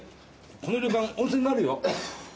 この旅館温泉があるよ。